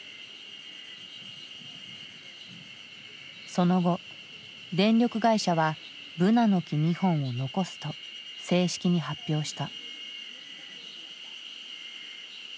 その後電力会社はブナの木２本を残すと正式に発表した。